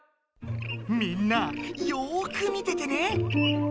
みんなよく見ててね。